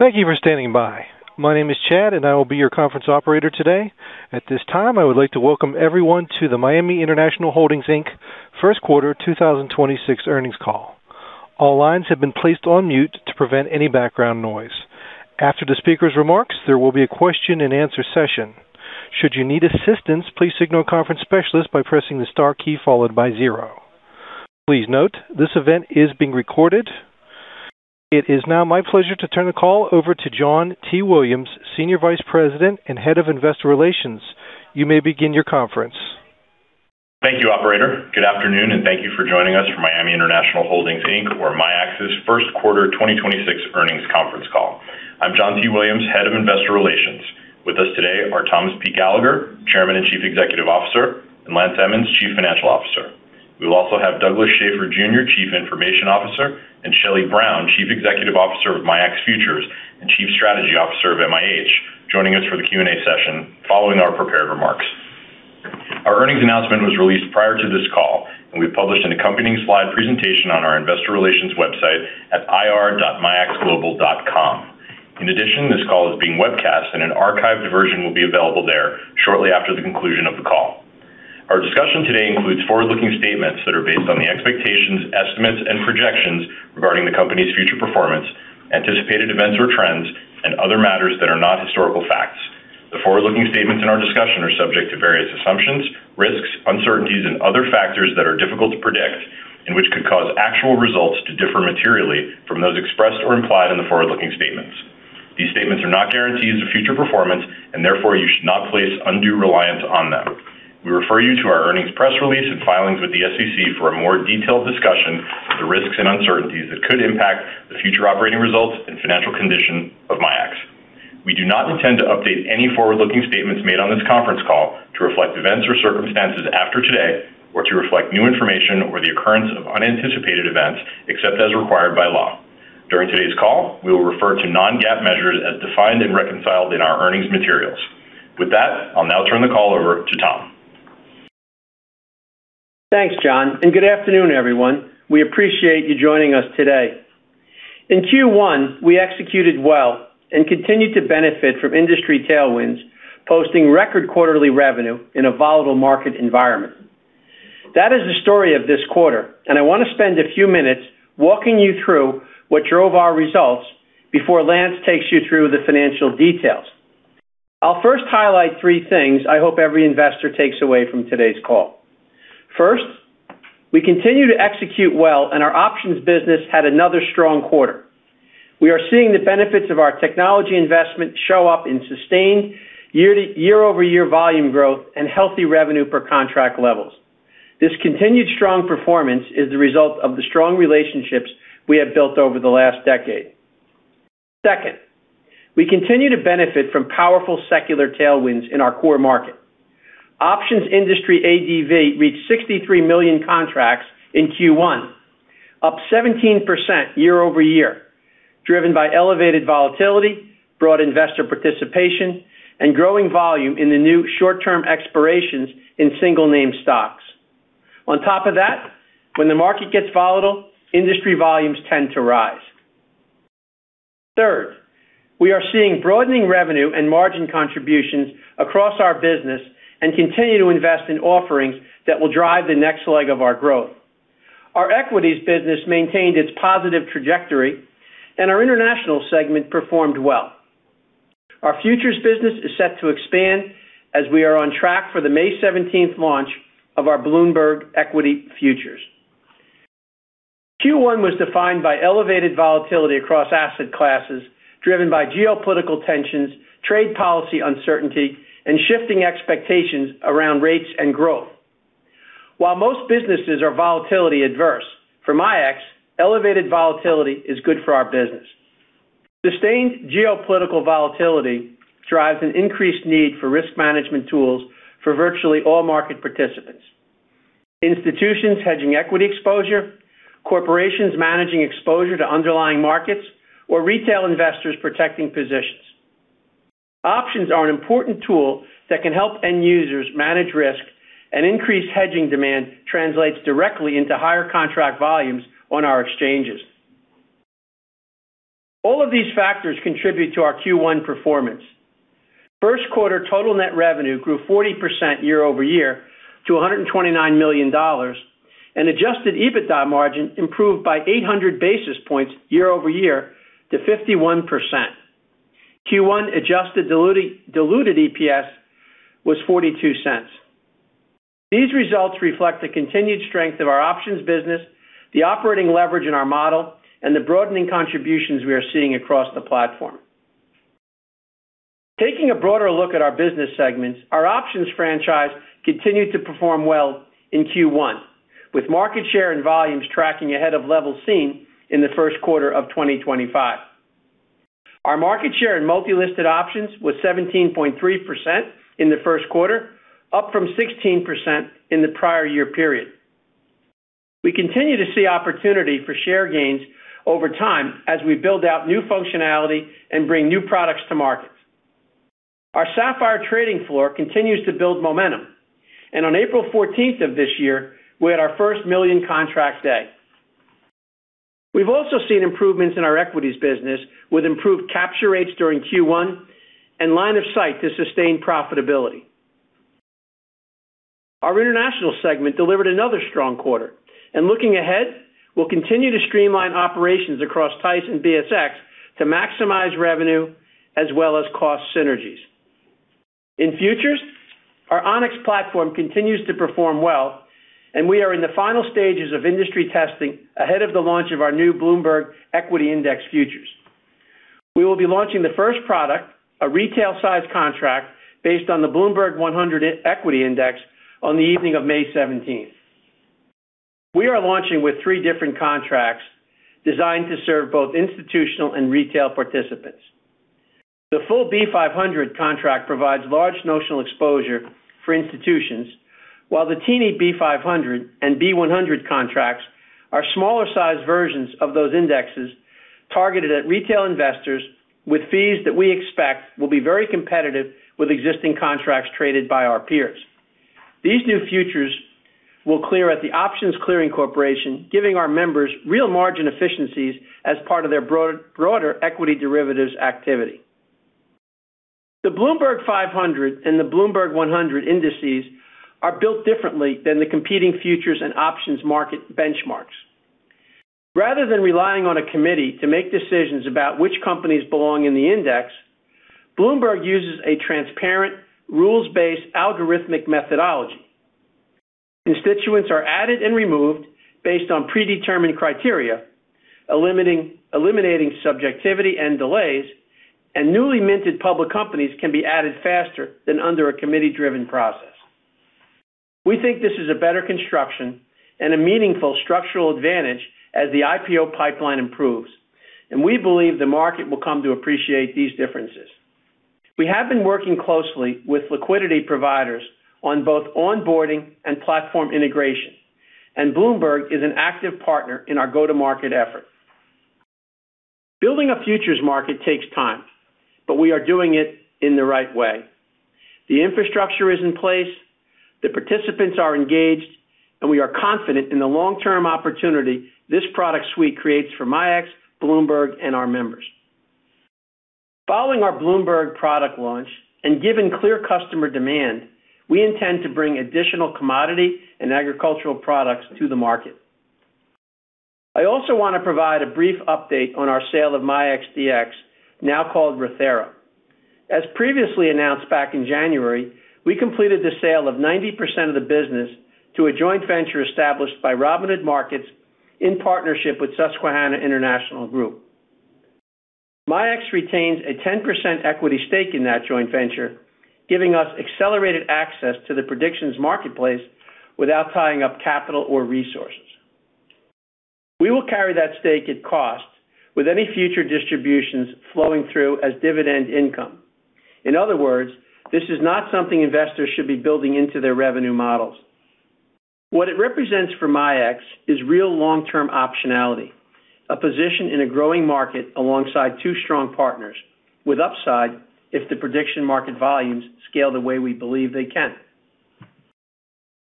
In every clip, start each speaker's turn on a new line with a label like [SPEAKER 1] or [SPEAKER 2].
[SPEAKER 1] Thank you for standing by. My name is Chad, and I will be your conference operator today. At this time, I would like to welcome everyone to the Miami International Holdings, Inc. first quarter 2026 earnings call. All lines have been placed on mute to prevent any background noise. After the speaker's remarks, there will be a question-and-answer session. Should you need assistance, please signal a conference specialist by pressing the star key followed by zero. Please note, this event is being recorded. It is now my pleasure to turn the call over to John T. Williams, Senior Vice President and Head of Investor Relations. You may begin your conference.
[SPEAKER 2] Thank you, operator. Good afternoon and thank you for joining us for Miami International Holdings, Inc., or MIAX's first quarter 2026 earnings conference call. I'm John T. Williams, Head of Investor Relations. With us today are Thomas P. Gallagher, Chairman and Chief Executive Officer, and Lance Emmons, Chief Financial Officer. We'll also have Douglas Schafer Jr., Chief Information Officer, and Shelly Brown, Chief Executive Officer of MIAX Futures and Chief Strategy Officer of MIH, joining us for the Q&A session following our prepared remarks. Our earnings announcement was released prior to this call, and we published an accompanying slide presentation on our investor relations website at ir.miaxglobal.com. In addition, this call is being webcast, and an archived version will be available there shortly after the conclusion of the call. Our discussion today includes forward-looking statements that are based on the expectations, estimates, and projections regarding the company's future performance, anticipated events or trends, and other matters that are not historical facts. The forward-looking statements in our discussion are subject to various assumptions, risks, uncertainties, and other factors that are difficult to predict and which could cause actual results to differ materially from those expressed or implied in the forward-looking statements. These statements are not guarantees of future performance, and therefore you should not place undue reliance on them. We refer you to our earnings press release and filings with the SEC for a more detailed discussion of the risks and uncertainties that could impact the future operating results and financial condition of MIAX. We do not intend to update any forward-looking statements made on this conference call to reflect events or circumstances after today or to reflect new information or the occurrence of unanticipated events except as required by law. During today's call, we will refer to non-GAAP measures as defined and reconciled in our earnings materials. With that, I'll now turn the call over to Tom.
[SPEAKER 3] Thanks, John, and good afternoon, everyone. We appreciate you joining us today. In Q1, we executed well and continued to benefit from industry tailwinds, posting record quarterly revenue in a volatile market environment. That is the story of this quarter, and I wanna spend a few minutes walking you through what drove our results before Lance takes you through the financial details. I'll first highlight three things I hope every investor takes away from today's call. First, we continue to execute well, and our options business had another strong quarter. We are seeing the benefits of our technology investment show up in sustained year-over-year volume growth and healthy revenue per contract levels. This continued strong performance is the result of the strong relationships we have built over the last decade. Second, we continue to benefit from powerful secular tailwinds in our core market. Options industry ADV reached 63 million contracts in Q1, up 17% year-over-year, driven by elevated volatility, broad investor participation, and growing volume in the new short-term expirations in single-name stocks. On top of that, when the market gets volatile, industry volumes tend to rise. Third, we are seeing broadening revenue and margin contributions across our business and continue to invest in offerings that will drive the next leg of our growth. Our equities business maintained its positive trajectory, and our international segment performed well. Our futures business is set to expand as we are on track for the May 17th launch of our Bloomberg Equity Futures. Q1 was defined by elevated volatility across asset classes, driven by geopolitical tensions, trade policy uncertainty, and shifting expectations around rates and growth. While most businesses are volatility adverse, for MIAX, elevated volatility is good for our business. Sustained geopolitical volatility drives an increased need for risk management tools for virtually all market participants, institutions hedging equity exposure, corporations managing exposure to underlying markets, or retail investors protecting positions. Options are an important tool that can help end users manage risk, and increased hedging demand translates directly into higher contract volumes on our exchanges. All of these factors contribute to our Q1 performance. First quarter total net revenue grew 40% year-over-year to $129 million, and adjusted EBITDA margin improved by 800 basis points year-over-year to 51%. Q1 adjusted diluted EPS was $0.42. These results reflect the continued strength of our options business, the operating leverage in our model, and the broadening contributions we are seeing across the platform. Taking a broader look at our business segments, our options franchise continued to perform well in Q1, with market share and volumes tracking ahead of levels seen in the first quarter of 2025. Our market share in multi-listed options was 17.3% in the first quarter, up from 16% in the prior-year period. We continue to see opportunity for share gains over time as we build out new functionality and bring new products to market. Our Sapphire Trading Floor continues to build momentum. On April 14th of this year, we had our first million contracts day. We've also seen improvements in our equities business with improved capture rates during Q1 and line of sight to sustain profitability. Our international segment delivered another strong quarter. Looking ahead, we'll continue to streamline operations across TISE and BSX to maximize revenue as well as cost synergies. In futures, our Onyx platform continues to perform well, and we are in the final stages of industry testing ahead of the launch of our new Bloomberg Equity Index Futures. We will be launching the first product, a retail-sized contract based on the Bloomberg 100 Equity Index on the evening of May 17th. We are launching with three different contracts designed to serve both institutional and retail participants. The full B500 contract provides large notional exposure for institutions, while the Tini B500 and B100 contracts are smaller-sized versions of those indexes targeted at retail investors with fees that we expect will be very competitive with existing contracts traded by our peers. These new futures will clear at the Options Clearing Corporation, giving our members real margin efficiencies as part of their broader equity derivatives activity. The Bloomberg 500 and the Bloomberg 100 indices are built differently than the competing futures and options market benchmarks. Rather than relying on a committee to make decisions about which companies belong in the index, Bloomberg uses a transparent, rules-based algorithmic methodology. Constituents are added and removed based on predetermined criteria, eliminating subjectivity and delays, and newly minted public companies can be added faster than under a committee-driven process. We think this is a better construction and a meaningful structural advantage as the IPO pipeline improves, and we believe the market will come to appreciate these differences. We have been working closely with liquidity providers on both onboarding and platform integration, and Bloomberg is an active partner in our go-to-market effort. Building a futures market takes time, but we are doing it in the right way. The infrastructure is in place, the participants are engaged, and we are confident in the long-term opportunity this product suite creates for MIAX, Bloomberg, and our members. Following our Bloomberg product launch and given clear customer demand, we intend to bring additional commodity and agricultural products to the market. I also wanna provide a brief update on our sale of MIAXdx, now called Rothera. As previously announced back in January, we completed the sale of 90% of the business to a joint venture established by Robinhood Markets in partnership with Susquehanna International Group. MIAX retains a 10% equity stake in that joint venture, giving us accelerated access to the predictions marketplace without tying up capital or resources. We will carry that stake at cost with any future distributions flowing through as dividend income. In other words, this is not something investors should be building into their revenue models. What it represents for MIAX is real long-term optionality, a position in a growing market alongside two strong partners with upside if the prediction market volumes scale the way we believe they can.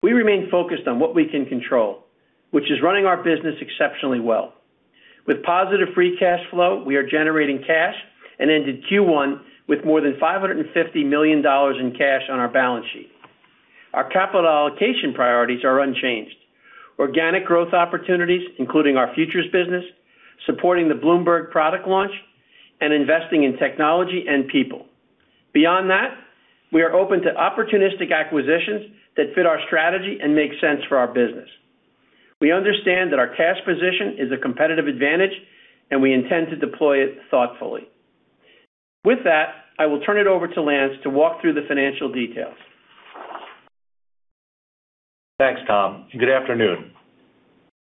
[SPEAKER 3] We remain focused on what we can control, which is running our business exceptionally well. With positive free cash flow, we are generating cash and ended Q1 with more than $550 million in cash on our balance sheet. Our capital allocation priorities are unchanged. Organic growth opportunities, including our futures business, supporting the Bloomberg product launch, and investing in technology and people. Beyond that, we are open to opportunistic acquisitions that fit our strategy and make sense for our business. We understand that our cash position is a competitive advantage, and we intend to deploy it thoughtfully. With that, I will turn it over to Lance to walk through the financial details.
[SPEAKER 4] Thanks, Tom, and good afternoon.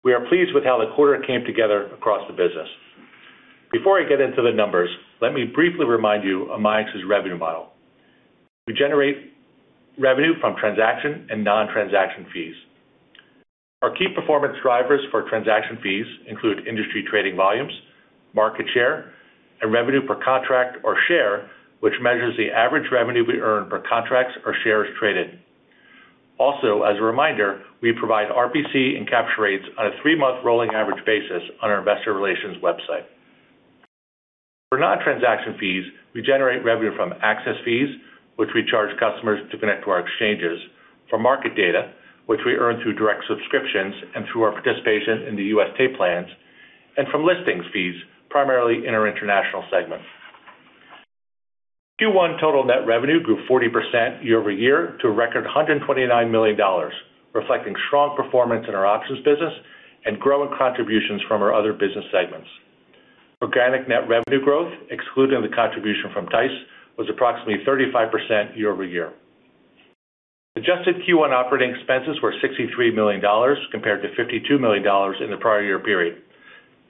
[SPEAKER 4] We are pleased with how the quarter came together across the business. Before I get into the numbers, let me briefly remind you of MIAX's revenue model. We generate revenue from transaction and non-transaction fees. Our key performance drivers for transaction fees include industry trading volumes, market share, and revenue per contract or share, which measures the average revenue we earn per contracts or shares traded. Also, as a reminder, we provide RPC and capture rates on a three-month rolling average basis on our investor relations website. For non-transaction fees, we generate revenue from access fees, which we charge customers to connect to our exchanges, for market data, which we earn through direct subscriptions and through our participation in the U.S. tape plans, and from listings fees, primarily in our international segment. Q1 total net revenue grew 40% year-over-year to a record $129 million, reflecting strong performance in our options business and growing contributions from our other business segments. Organic net revenue growth, excluding the contribution from TISE, was approximately 35% year-over-year. Adjusted Q1 operating expenses were $63 million, compared to $52 million in the prior-year period.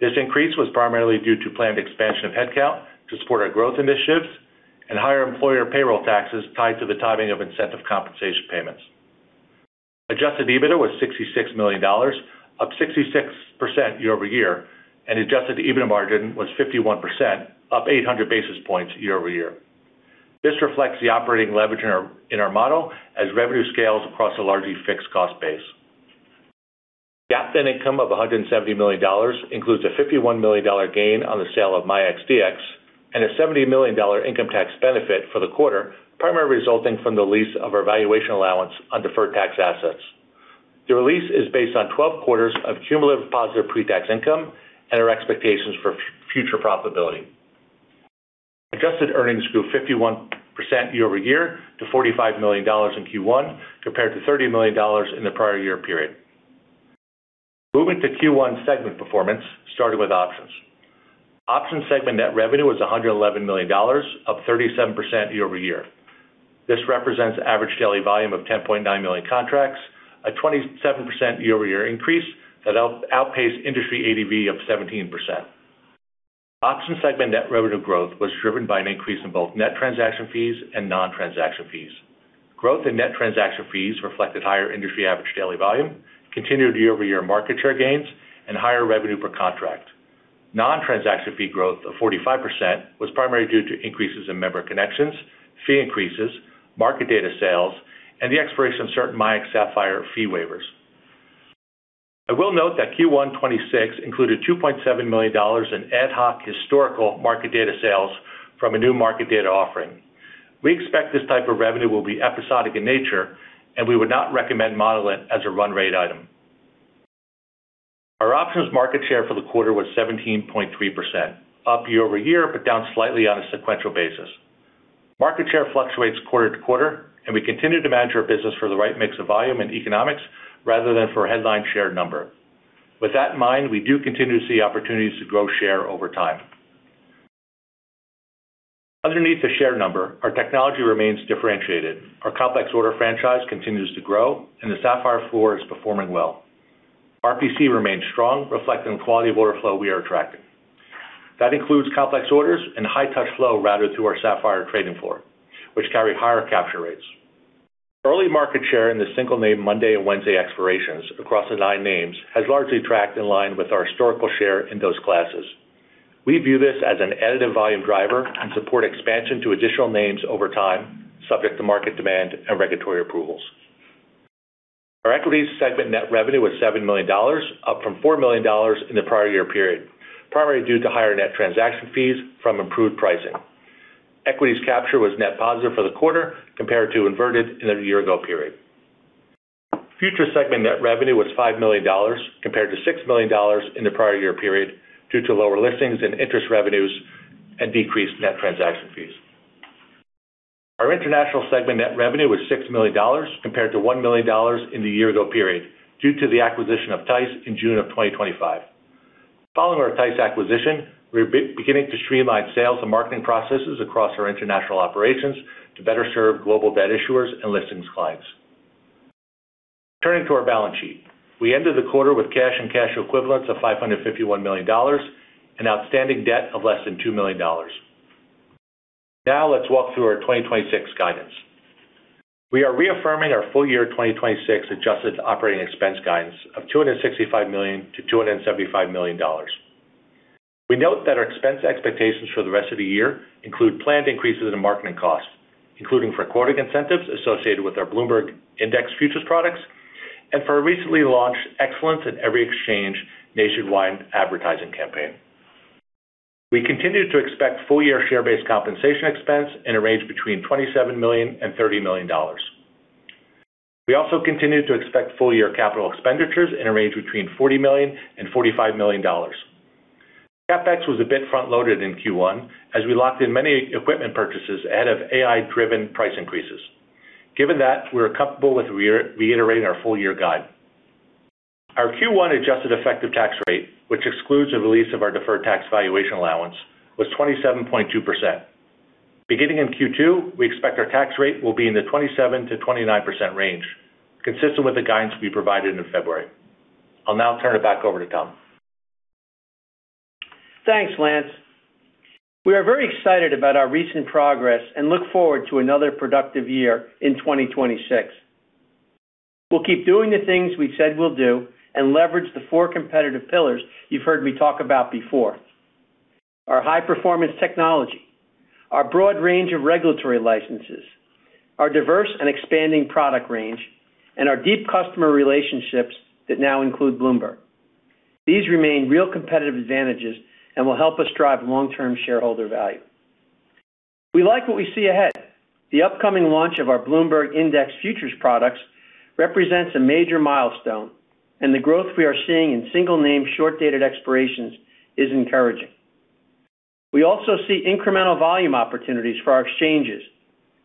[SPEAKER 4] This increase was primarily due to planned expansion of headcount to support our growth initiatives and higher employer payroll taxes tied to the timing of incentive compensation payments. Adjusted EBITDA was $66 million, up 66% year-over-year, and adjusted EBITDA margin was 51%, up 800 basis points year-over-year. This reflects the operating leverage in our model as revenue scales across a largely fixed cost base. GAAP income of $170 million includes a $51 million gain on the sale of MIAXdx and a $70 million income tax benefit for the quarter, primarily resulting from the release of our valuation allowance on deferred tax assets. The release is based on 12 quarters of cumulative positive pre-tax income and our expectations for future profitability. Adjusted earnings grew 51% year-over-year to $45 million in Q1 compared to $30 million in the prior-year period. Moving to Q1 segment performance, starting with options. Options segment net revenue was $111 million, up 37% year-over-year. This represents average daily volume of 10.9 million contracts, a 27% year-over-year increase that outpaced industry ADV of 17%. Options segment net revenue growth was driven by an increase in both net transaction fees and non-transaction fees. Growth in net transaction fees reflected higher industry average daily volume, continued year-over-year market share gains, and higher revenue per contract. Non-transaction fee growth of 45% was primarily due to increases in member connections, fee increases, market data sales, and the expiration of certain MIAX Sapphire fee waivers. I will note that Q1 2026 included $2.7 million in ad hoc historical market data sales from a new market data offering. We expect this type of revenue will be episodic in nature, and we would not recommend modeling it as a run rate item. Our options market share for the quarter was 17.3%, up year-over-year, but down slightly on a sequential basis. Market share fluctuates quarter-to-quarter, and we continue to manage our business for the right mix of volume and economics rather than for a headline share number. With that in mind, we do continue to see opportunities to grow share over time. Underneath the share number, our technology remains differentiated. Our complex order franchise continues to grow, and the Sapphire floor is performing well. RPC remains strong, reflecting the quality of order flow we are attracting. That includes complex orders and high-touch flow routed through our Sapphire Trading Floor, which carry higher capture rates. Early market share in the single name Monday and Wednesday expirations across the nine names has largely tracked in line with our historical share in those classes. We view this as an additive volume driver and support expansion to additional names over time, subject to market demand and regulatory approvals. Our equities segment net revenue was $7 million, up from $4 million in the prior-year period, primarily due to higher net transaction fees from improved pricing. Equities capture was net positive for the quarter compared to inverted in the year-ago period. Futures segment net revenue was $5 million compared to $6 million in the prior-year period due to lower listings and interest revenues and decreased net transaction fees. Our international segment net revenue was $6 million compared to $1 million in the year-ago period due to the acquisition of TISE in June of 2025. Following our TISE acquisition, we're beginning to streamline sales and marketing processes across our international operations to better serve global debt issuers and listings clients. Turning to our balance sheet. We ended the quarter with cash and cash equivalents of $551 million and outstanding debt of less than $2 million. Now, let's walk through our 2026 guidance. We are reaffirming our full-year 2026 adjusted operating expense guidance of $265 million-$275 million. We note that our expense expectations for the rest of the year include planned increases in marketing costs, including for quoting incentives associated with our Bloomberg Index Futures products and for our recently launched Excellence in Every Exchange nationwide advertising campaign. We continue to expect full-year share-based compensation expense in a range between $27 million and $30 million. We also continue to expect full-year capital expenditures in a range between $40 million and $45 million. CapEx was a bit front-loaded in Q1 as we locked in many equipment purchases ahead of AI-driven price increases. Given that, we're comfortable with reiterating our full-year guide. Our Q1 adjusted effective tax rate, which excludes the release of our deferred tax valuation allowance, was 27.2%. Beginning in Q2, we expect our tax rate will be in the 27%-29% range, consistent with the guidance we provided in February. I'll now turn it back over to Tom.
[SPEAKER 3] Thanks, Lance. We are very excited about our recent progress and look forward to another productive year in 2026. We'll keep doing the things we said we'll do and leverage the four competitive pillars you've heard me talk about before: our high-performance technology, our broad range of regulatory licenses, our diverse and expanding product range, and our deep customer relationships that now include Bloomberg. These remain real competitive advantages and will help us drive long-term shareholder value. We like what we see ahead. The upcoming launch of our Bloomberg Index Futures products represents a major milestone, and the growth we are seeing in single name short-dated expirations is encouraging. We also see incremental volume opportunities for our exchanges,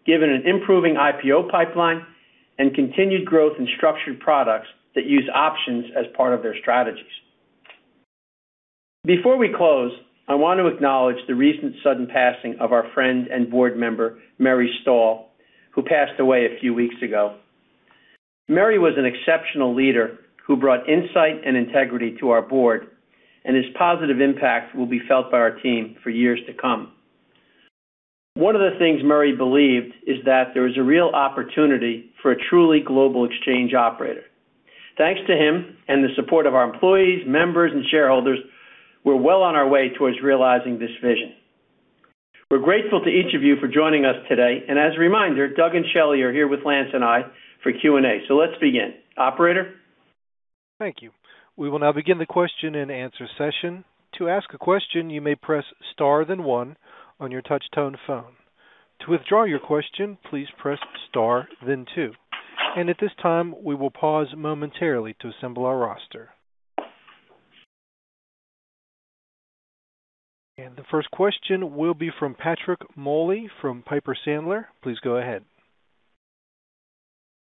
[SPEAKER 3] given an improving IPO pipeline and continued growth in structured products that use options as part of their strategies. Before we close, I want to acknowledge the recent sudden passing of our friend and board member, Murray Stahl, who passed away a few weeks ago. Murray was an exceptional leader who brought insight and integrity to our board, and his positive impact will be felt by our team for years to come. One of the things Murray believed is that there was a real opportunity for a truly global exchange operator. Thanks to him and the support of our employees, members, and shareholders, we're well on our way towards realizing this vision. We're grateful to each of you for joining us today, and as a reminder, Doug and Shelly are here with Lance and I for Q&A. So, let's begin. Operator?
[SPEAKER 1] Thank you. We will now begin the question-and-answer session. To ask a question, you may press star then one on your touch-tone phone. To withdraw your question, please press star then two. And at this time, we will pause momentarily to assemble our roster. The first question will be from Patrick Moley from Piper Sandler. Please go ahead.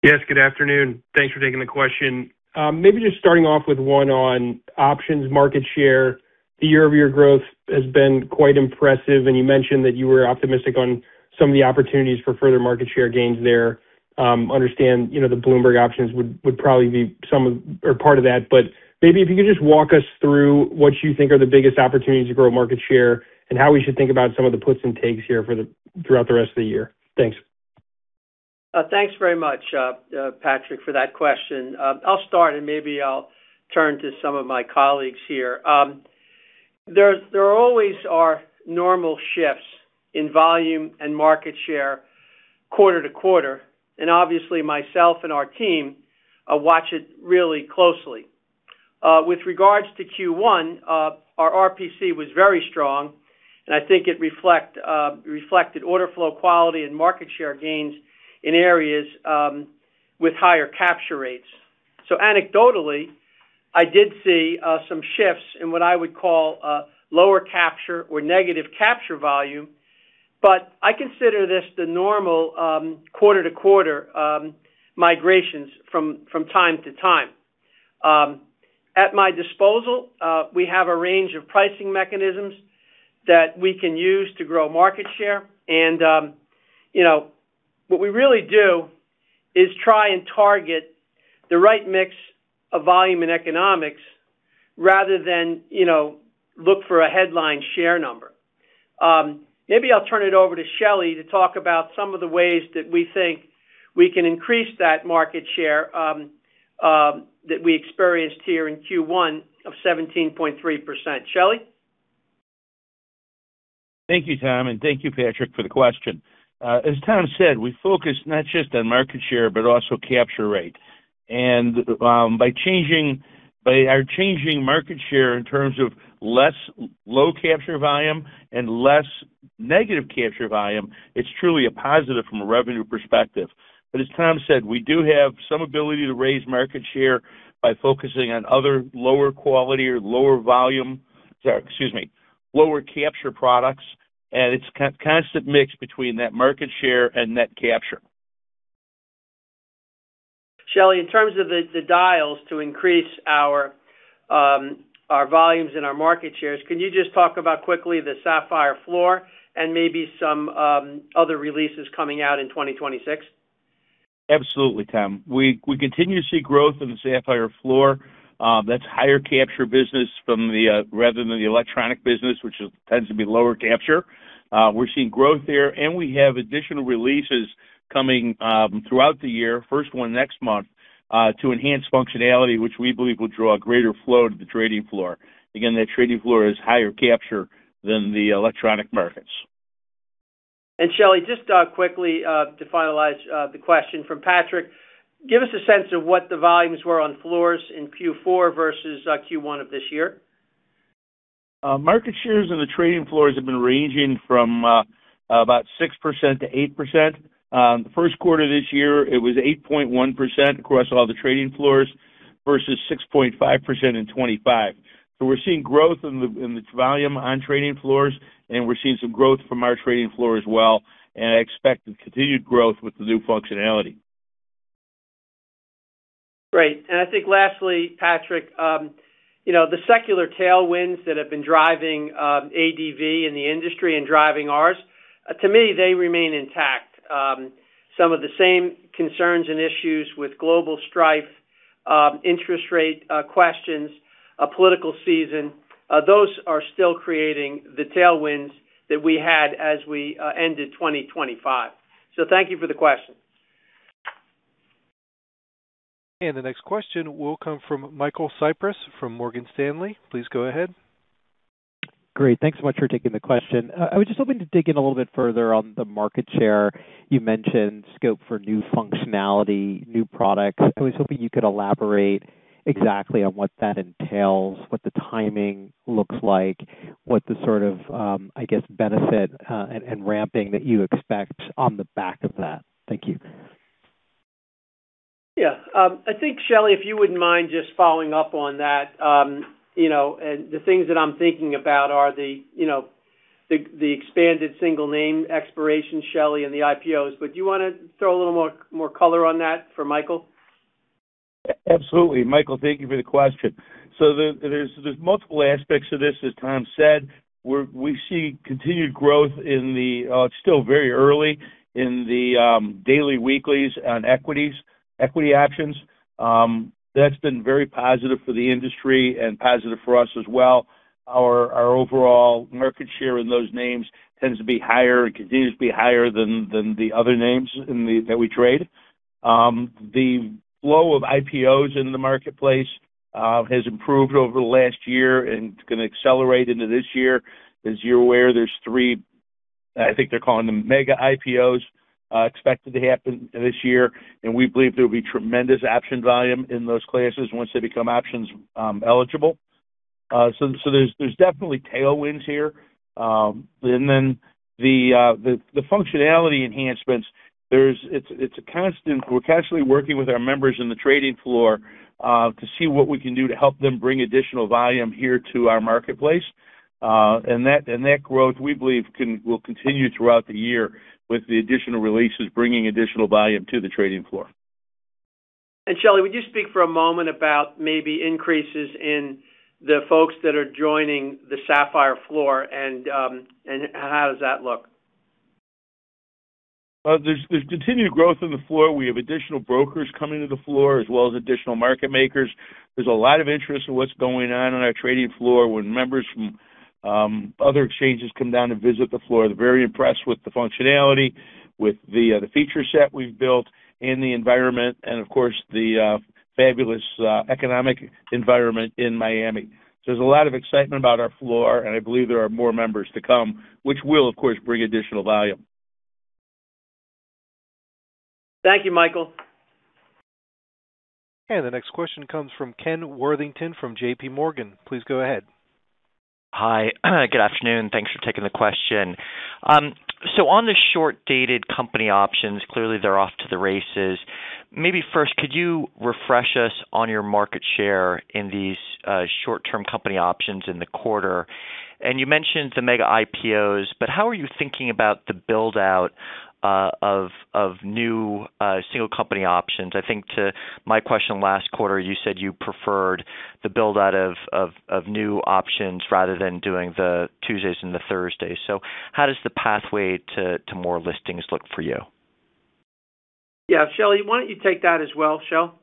[SPEAKER 5] Yes, good afternoon. Thanks for taking the question. Maybe just starting off with one on options market share. The year-over-year growth has been quite impressive, and you mentioned that you were optimistic on some of the opportunities for further market share gains there. I understand, you know, the Bloomberg options would probably be some of or part of that, but maybe if you could just walk us through what you think are the biggest opportunities to grow market share and how we should think about some of the puts and takes here throughout the rest of the year. Thanks.
[SPEAKER 3] Thanks very much, Patrick, for that question. I'll start, and maybe I'll turn to some of my colleagues here. There always are normal shifts in volume and market share quarter-to-quarter, and obviously, myself and our team watch it really closely. With regards to Q1, our RPC was very strong, and I think it reflected order flow quality and market share gains in areas with higher capture rates. Anecdotally, I did see some shifts in what I would call lower capture or negative capture volume, but I consider this the normal quarter-to-quarter migrations from time to time. At my disposal, we have a range of pricing mechanisms that we can use to grow market share and, you know, what we really do is try and target the right mix of volume and economics rather than, you know, look for a headline share number. Maybe I'll turn it over to Shelly to talk about some of the ways that we think we can increase that market share that we experienced here in Q1 of 17.3%. Shelly?
[SPEAKER 6] Thank you, Tom, and thank you, Patrick, for the question. As Tom said, we focus not just on market share but also capture rate. By changing, by our changing market share in terms of less low capture volume and less negative capture volume, it's truly a positive from a revenue perspective. As Tom said, we do have some ability to raise market share by focusing on other lower quality or lower volume, sorry, excuse me, lower capture products, and it's constant mix between net market share and net capture.
[SPEAKER 3] Shelly, in terms of the dials to increase our volumes and our market shares, can you just talk about quickly the Sapphire floor and maybe some other releases coming out in 2026?
[SPEAKER 6] Absolutely, Tom. We continue to see growth in the Sapphire floor. That's higher capture business from rather than the electronic business, which tends to be lower capture. We're seeing growth there, and we have additional releases coming throughout the year, first one next month, to enhance functionality, which we believe will draw a greater flow to the trading floor. Again, that trading floor is higher capture than the electronic markets.
[SPEAKER 3] Shelly, just quickly to finalize the question from Patrick, give us a sense of what the volumes were on floors in Q4 versus Q1 of this year.
[SPEAKER 6] Market shares on the trading floors have been ranging from about 6%-8%. The first quarter this year, it was 8.1% across all the trading floors versus 6.5% in 2025. We're seeing growth in the volume on trading floors, and we're seeing some growth from our trading floor as well, and I expect the continued growth with the new functionality.
[SPEAKER 3] Great. I think lastly, Patrick, you know, the secular tailwinds that have been driving ADV in the industry and driving ours, to me, they remain intact. Some of the same concerns and issues with global strife, interest rate questions, political season, those are still creating the tailwinds that we had as we ended 2025. Thank you for the question.
[SPEAKER 1] The next question will come from Michael Cyprys from Morgan Stanley. Please go ahead.
[SPEAKER 7] Great. Thanks so much for taking the question. I was just hoping to dig in a little bit further on the market share. You mentioned scope for new functionality, new products. I was hoping you could elaborate exactly on what that entails, what the timing looks like, what the sort of, I guess, benefit, and ramping that you expect on the back of that. Thank you.
[SPEAKER 3] Yeah. I think, Shelly, if you wouldn't mind just following up on that. You know, the things that I'm thinking about are the, you know, the expanded single name expiration, Shelly, and the IPOs. Do you wanna throw a little more color on that for Michael?
[SPEAKER 6] Absolutely. Michael, thank you for the question. There's multiple aspects to this, as Tom said. We see continued growth in the, it's still very early, in the daily weeklies on equities, equity options. That's been very positive for the industry and positive for us as well. Our overall market share in those names tends to be higher, continues to be higher than the other names that we trade. The flow of IPOs in the marketplace has improved over the last year and gonna accelerate into this year. As you're aware, there's three, I think they're calling them mega IPOs, expected to happen this year, and we believe there will be tremendous option volume in those classes once they become options eligible. So, there's definitely tailwinds here. Then, the functionality enhancements, it's a constant, we're constantly working with our members in the trading floor to see what we can do to help them bring additional volume here to our marketplace. That growth, we believe, will continue throughout the year with the additional releases bringing additional volume to the trading floor.
[SPEAKER 3] Shelly, would you speak for a moment about maybe increases in the folks that are joining the Sapphire floor and how does that look?
[SPEAKER 6] Well, there's continued growth on the floor. We have additional brokers coming to the floor as well as additional market makers. There's a lot of interest in what's going on on our trading floor. When members from other exchanges come down and visit the floor, they're very impressed with the functionality, with the feature set we've built and the environment and of course, the fabulous economic environment in Miami. There's a lot of excitement about our floor, and I believe there are more members to come, which will, of course, bring additional volume.
[SPEAKER 3] Thank you, Michael.
[SPEAKER 1] The next question comes from Kenneth Worthington from JPMorgan. Please go ahead.
[SPEAKER 8] Hi. Good afternoon. Thanks for taking the question. On the short-dated company options, clearly, they're off to the races. Maybe first, could you refresh us on your market share in these short-term company options in the quarter? You mentioned the mega IPOs, but how are you thinking about the build-out of new single company options? I think to my question last quarter, you said you preferred the build-out of new options rather than doing the Tuesdays and the Thursdays. How does the pathway to more listings look for you?
[SPEAKER 3] Yeah. Shelly, why don't you take that as well, Shel?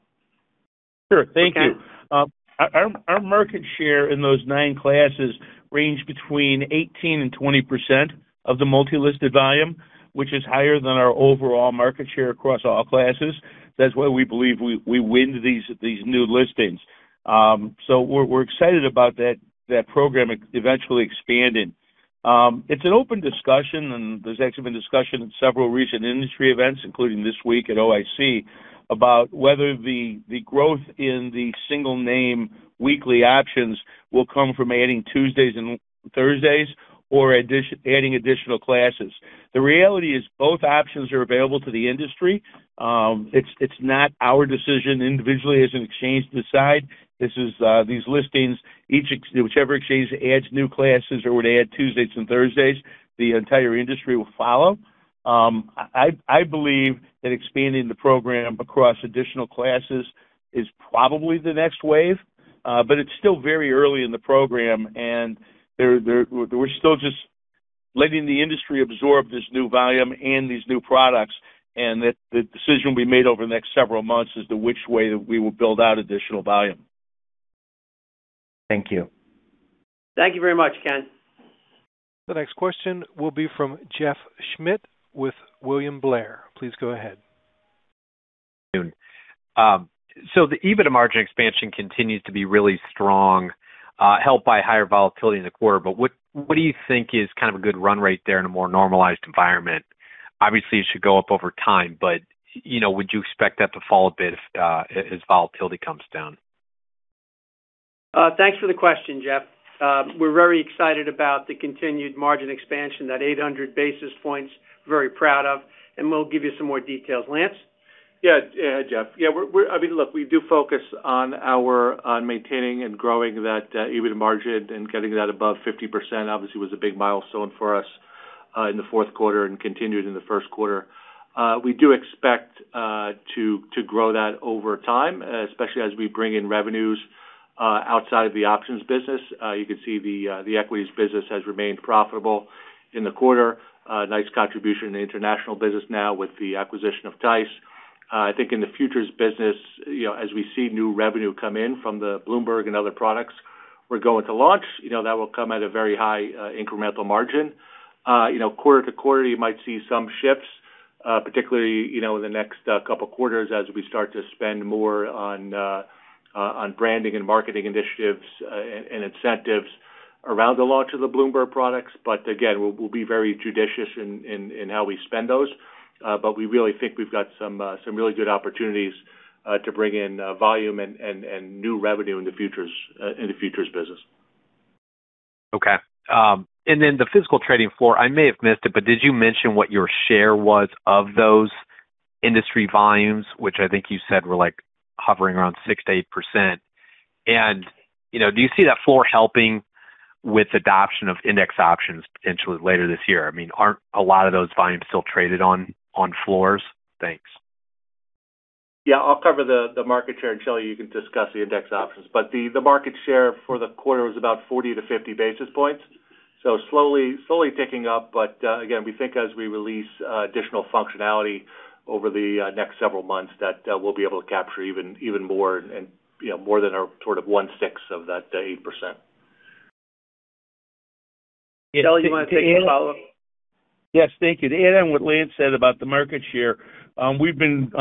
[SPEAKER 6] Sure. Thank you.
[SPEAKER 3] Okay.
[SPEAKER 6] Our market share in those nine classes range between 18% and 20% of the multi-listed volume, which is higher than our overall market share across all classes. That's why we believe we win these new listings. We're excited about that program eventually expanding. It's an open discussion, and there's actually been discussion at several recent industry events, including this week at OIC, about whether the growth in the single name weekly options will come from adding Tuesdays and Thursdays or adding additional classes. The reality is both options are available to the industry. It's not our decision individually as an exchange to decide. These listings, whichever exchange adds new classes or to add Tuesdays and Thursdays, the entire industry will follow. I believe that expanding the program across additional classes is probably the next wave, but it's still very early in the program, and we're still just letting the industry absorb this new volume and these new products, and that the decision will be made over the next several months as to which way that we will build out additional volume.
[SPEAKER 8] Thank you.
[SPEAKER 3] Thank you very much, Ken.
[SPEAKER 1] The next question will be from Jeff Schmitt with William Blair. Please go ahead
[SPEAKER 9] Good afternoon. The EBITDA margin expansion continues to be really strong, helped by higher volatility in the quarter. What do you think is kind of a good run rate there in a more normalized environment? Obviously, it should go up over time but, you know, would you expect that to fall a bit if, as volatility comes down?
[SPEAKER 3] Thanks for the question, Jeff. We're very excited about the continued margin expansion, that 800 basis points, very proud of, and we'll give you some more details. Lance?
[SPEAKER 4] Yeah, hi Jeff. I mean, look, we do focus on our maintaining and growing that EBITDA margin and getting that above 50%, obviously, it was a big milestone for us in the fourth quarter and continued in the first quarter. We do expect to grow that over time, especially as we bring in revenues outside of the options business. You can see the equities business has remained profitable in the quarter, nice contribution in the international business now with the acquisition of TISE. I think in the futures business, you know, as we see new revenue come in from the Bloomberg and other products we're going to launch, you know, that will come at a very high incremental margin. You know, quarter-to-quarter, you might see some shifts, particularly, you know, in the next couple quarters as we start to spend more on branding and marketing initiatives, and incentives around the launch of the Bloomberg products. Again, we'll be very judicious in how we spend those. But we really think we've got some really good opportunities to bring in volume and new revenue in the futures business.
[SPEAKER 9] Okay. And then, the physical trading floor, I may have missed it, but did you mention what your share was of those industry volumes, which I think you said were, like, hovering around 6%-8%? You know, do you see that floor helping with adoption of index options potentially later this year? I mean, aren't a lot of those volumes still traded on floors? Thanks.
[SPEAKER 4] I'll cover the market share, and Shelly, you can discuss the index options. The market share for the quarter was about 40 basis points-50 basis points. So, slowly, slowly ticking up, but again, we think as we release additional functionality over the next several months that we'll be able to capture even more and, you know, more than our sort of 1/6 of that 8%.
[SPEAKER 3] Shel, you wanna take the follow-up?
[SPEAKER 6] Yes. Thank you. To add on what Lance said about the market share, we've been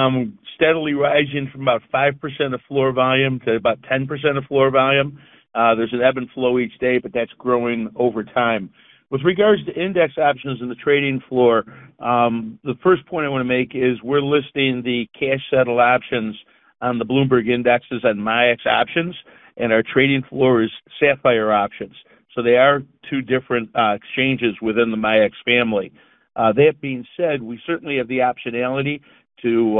[SPEAKER 6] steadily rising from about 5% of floor volume to about 10% of floor volume. There's an ebb and flow each day, but that's growing over time. With regards to index options in the trading floor, the first point I want to make is we're listing the cash-settled options on the Bloomberg indexes on MIAX Options, and our trading floor is Sapphire options. They are two different exchanges within the MIAX family. That being said, we certainly have the optionality to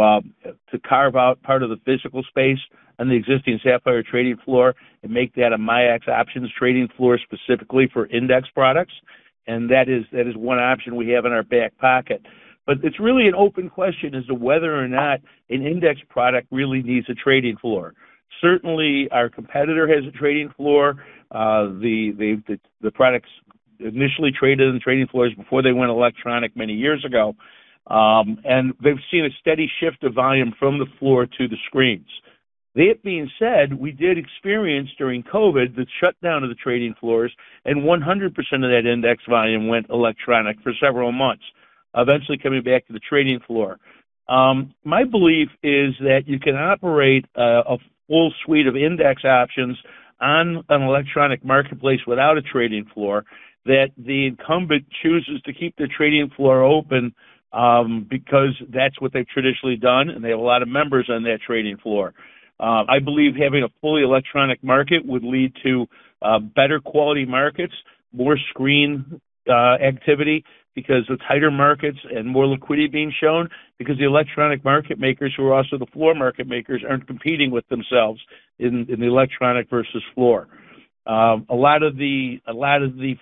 [SPEAKER 6] carve out part of the physical space on the existing Sapphire Trading Floor and make that a MIAX Options trading floor specifically for index products. That is one option we have in our back pocket. It's really an open question as to whether or not an index product really needs a trading floor. Certainly, our competitor has a trading floor. The products initially traded in the trading floors before they went electronic many years ago. They've seen a steady shift of volume from the floor to the screens. That being said, we did experience during COVID, the shutdown of the trading floors and 100% of that index volume went electronic for several months, eventually coming back to the trading floor. My belief is that you can operate a full suite of index options on an electronic marketplace without a trading floor, that the incumbent chooses to keep their trading floor open because that's what they've traditionally done, and they have a lot of members on their trading floor. I believe having a fully electronic market would lead to better quality markets, more screen activity because of tighter markets and more liquidity being shown because the electronic market makers who are also the floor market makers aren't competing with themselves in the electronic versus floor. A lot of the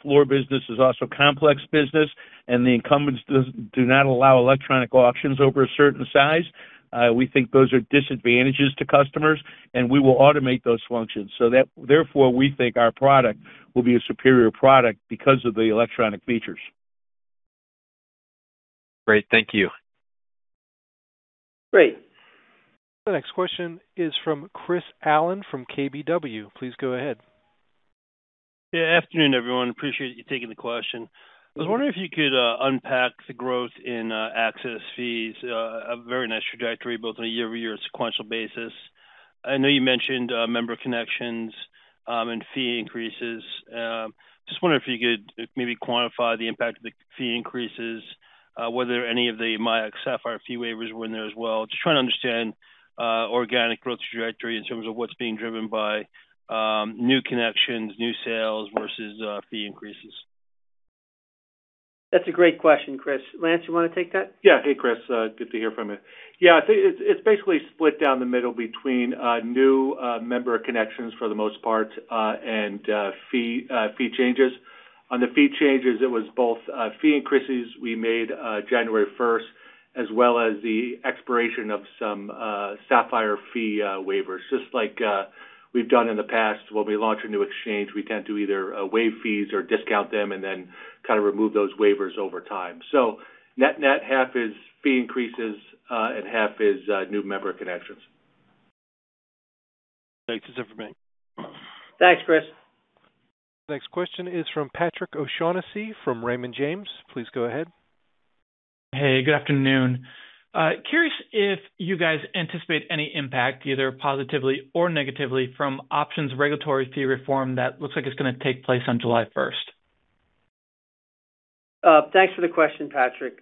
[SPEAKER 6] floor business is also complex business, and the incumbents do not allow electronic options over a certain size. We think those are disadvantages to customers, and we will automate those functions. Therefore, we think our product will be a superior product because of the electronic features.
[SPEAKER 9] Great. Thank you.
[SPEAKER 3] Great.
[SPEAKER 1] The next question is from Chris Allen from KBW. Please go ahead.
[SPEAKER 10] Yeah. Afternoon, everyone. Appreciate you taking the question. I was wondering if you could unpack the growth in access fees, a very nice trajectory, both on a year-over-year and sequential basis. I know you mentioned member connections and fee increases. Just wondering if you could maybe quantify the impact of the fee increases, whether any of the MIAX Sapphire fee waivers were in there as well. Just trying to understand organic growth trajectory in terms of what's being driven by new connections, new sales versus fee increases.
[SPEAKER 3] That's a great question, Chris. Lance, you wanna take that?
[SPEAKER 4] Yeah. Hey, Chris. Good to hear from you. It's basically split down the middle between new member connections for the most part and fee changes. On the fee changes, it was both fee increases we made January 1st, as well as the expiration of some Sapphire fee waivers. Just like we've done in the past, when we launch a new exchange, we tend to either waive fees or discount them and then kind of remove those waivers over time. Net-net, half is fee increases and half is new member connections.
[SPEAKER 10] Thanks. That's it for me.
[SPEAKER 3] Thanks, Chris.
[SPEAKER 1] Next question is from Patrick O'Shaughnessy from Raymond James. Please go ahead.
[SPEAKER 11] Hey, good afternoon. Curious if you guys anticipate any impact, either positively or negatively from options regulatory fee reform that looks like it's gonna take place on July 1st?
[SPEAKER 3] Thanks for the question, Patrick.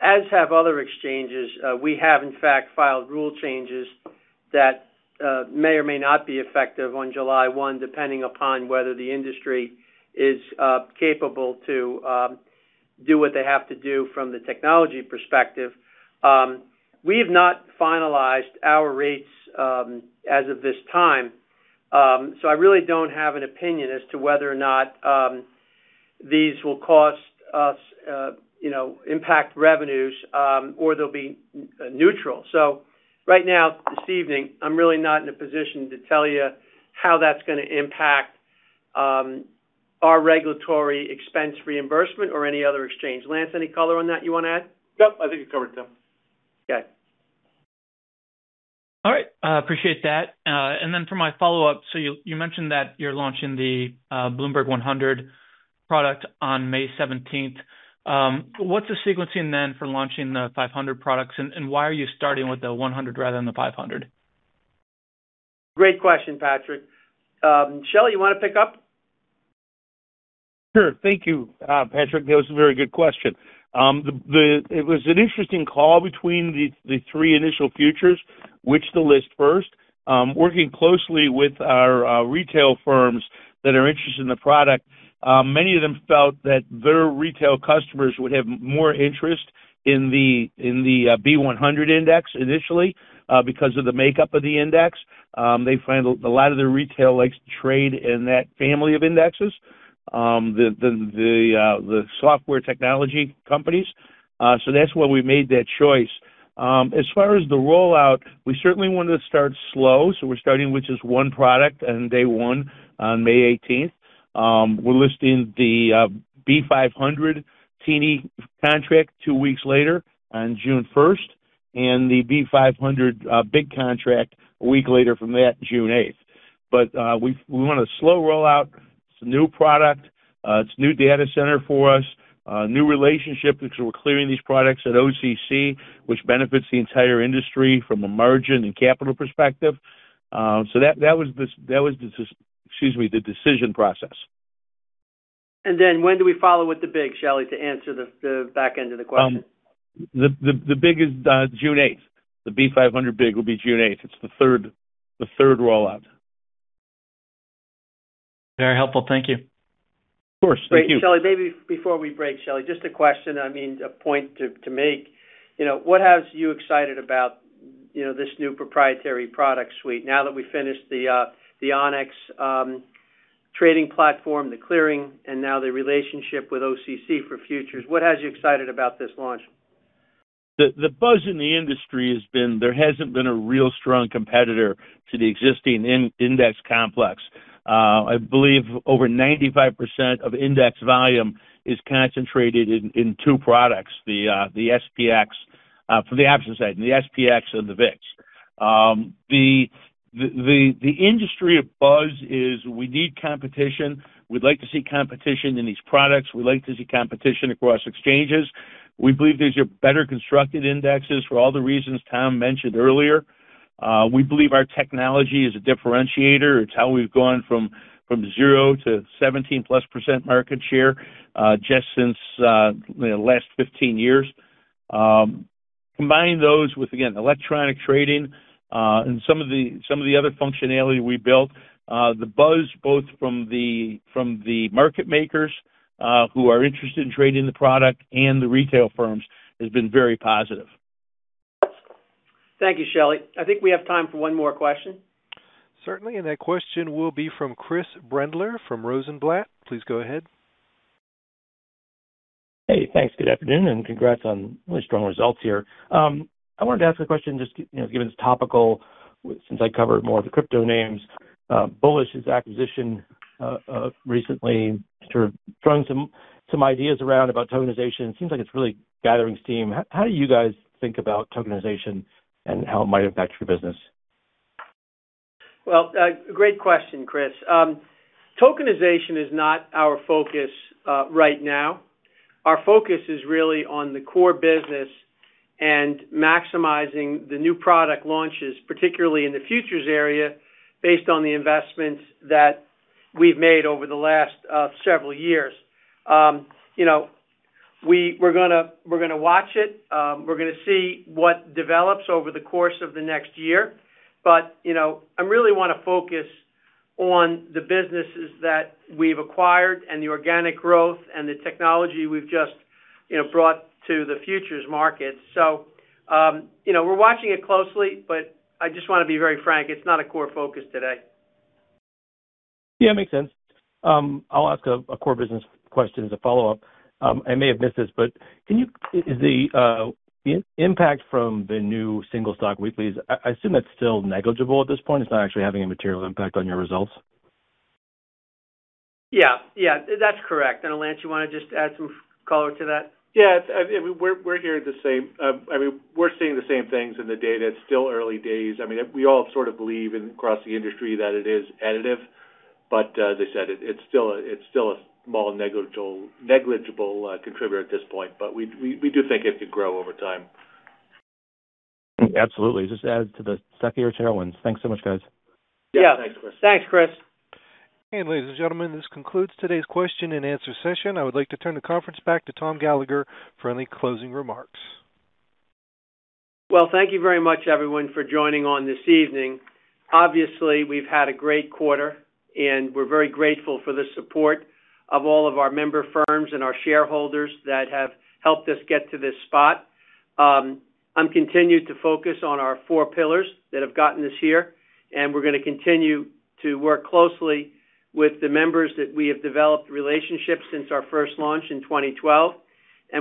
[SPEAKER 3] As have other exchanges, we have, in fact, filed rule changes that may or may not be effective on July 1, depending upon whether the industry is capable to do what they have to do from the technology perspective. We have not finalized our rates as of this time, so I really don't have an opinion as to whether or not these will cost us, you know, impact revenues, or they'll be neutral. Right now, this evening, I'm really not in a position to tell you how that's gonna impact our regulatory expense reimbursement or any other exchange. Lance, any color on that you wanna add?
[SPEAKER 4] Nope. I think you covered it, Tom.
[SPEAKER 3] Okay.
[SPEAKER 11] All right. Appreciate that. For my follow-up, you mentioned that you're launching the Bloomberg 100 product on May 17th. What's the sequencing then for launching the 500 products, and why are you starting with the 100 rather than the 500?
[SPEAKER 3] Great question, Patrick. Shel, you wanna pick up?
[SPEAKER 6] Sure. Thank you, Patrick. That was a very good question. It was an interesting call between the three initial futures, which to list first. Working closely with our retail firms that are interested in the product, many of them felt that their retail customers would have more interest in the B100 Index initially, because of the makeup of the index. They find a lot of their retail likes to trade in that family of indexes, the software technology companies. That's why we made that choice. As far as the rollout, we certainly wanted to start slow, so, we're starting with just one product on day one on May 18th. We're listing the B500 Tini contract two weeks later on June 1st. The B500 Big contract a week later from that, June 8th. We want a slow rollout. It's a new product. It's a new data center for us. A new relationship because we're clearing these products at OCC, which benefits the entire industry from a margin and capital perspective. So, that was the decision process.
[SPEAKER 3] When do we follow with the Big, Shelly, to answer the back end of the question?
[SPEAKER 6] The Big is June 8th. The B500 Big will be June 8th. It's the third rollout.
[SPEAKER 11] Very helpful. Thank you.
[SPEAKER 6] Of course. Thank you.
[SPEAKER 3] Great. Shelly, maybe before we break, Shelly, just a question, I mean, a point to make. You know, what has you excited about, you know, this new proprietary product suite now that we finished the Onyx trading platform, the clearing, and now the relationship with OCC for futures? What has you excited about this launch?
[SPEAKER 6] The buzz in the industry has been there hasn't been a real strong competitor to the existing index complex. I believe over 95% of index volume is concentrated in two products, the SPX, for the options side, the SPX and the VIX. The industry of buzz is we need competition. We'd like to see competition in these products. We'd like to see competition across exchanges. We believe these are better constructed indexes for all the reasons Tom mentioned earlier. We believe our technology is a differentiator. It's how we've gone from zero to 17%+ market share, just since the last 15 years. Combine those with, again, electronic trading, and some of the other functionality we built, the buzz both from the market makers, who are interested in trading the product and the retail firms has been very positive.
[SPEAKER 3] Thank you, Shelly. I think we have time for one more question.
[SPEAKER 1] Certainly, and that question will be from Chris Brendler from Rosenblatt. Please go ahead.
[SPEAKER 12] Hey, thanks. Good afternoon. Congrats on really strong results here. I wanted to ask a question just, you know, given it's topical, since I covered more of the crypto names. Bullish's acquisition, recently sort of throwing some ideas around about tokenization. It seems like it's really gathering steam. How do you guys think about tokenization and how it might impact your business?
[SPEAKER 3] Great question, Chris. Tokenization is not our focus right now. Our focus is really on the core business and maximizing the new product launches, particularly in the futures area, based on the investments that we've made over the last several years. You know, we're gonna watch it. We're gonna see what develops over the course of the next year. You know, I really wanna focus on the businesses that we've acquired and the organic growth and the technology we've just, you know, brought to the futures market. You know, we're watching it closely, but I just wanna be very frank, it's not a core focus today.
[SPEAKER 12] Yeah, makes sense. I'll ask a core business question as a follow-up. I may have missed this but is the impact from the new single stock weeklies, I assume that's still negligible at this point, it's not actually having a material impact on your results?
[SPEAKER 3] Yeah. Yeah. That's correct. Lance, you wanna just add some color to that?
[SPEAKER 4] Yeah. I mean, we're hearing the same. I mean, we're seeing the same things in the data. It's still early days. I mean, we all sort of believe in across the industry that it is additive, but as I said, it's still a small negligible contributor at this point. We do think it could grow over time.
[SPEAKER 12] Absolutely. Just add to the secular tailwinds. Thanks so much, guys.
[SPEAKER 3] Yeah.
[SPEAKER 4] Thanks, Chris.
[SPEAKER 3] Thanks, Chris.
[SPEAKER 1] Ladies and gentlemen, this concludes today's question-and-answer session. I would like to turn the conference back to Tom Gallagher for any closing remarks.
[SPEAKER 3] Well, thank you very much, everyone, for joining on this evening. Obviously, we've had a great quarter, and we're very grateful for the support of all of our member firms and our shareholders that have helped us get to this spot. I'm continued to focus on our four pillars that have gotten us here, and we're gonna continue to work closely with the members that we have developed relationships since our first launch in 2012.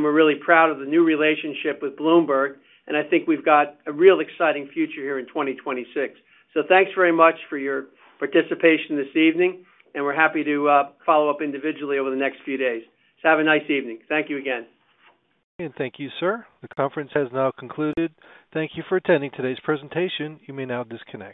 [SPEAKER 3] We're really proud of the new relationship with Bloomberg, and I think we've got a real exciting future here in 2026. Thanks very much for your participation this evening, and we're happy to follow up individually over the next few days. Have a nice evening. Thank you again.
[SPEAKER 1] And thank you, sir. The conference has now concluded. Thank you for attending today's presentation. You may now disconnect.